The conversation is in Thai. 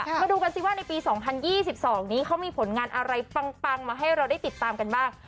มาดูกันสิว่าในปี๒๐๒๒นี้เขามีผลงานอะไรปังมาให้เราได้ติดตามกันบ้าง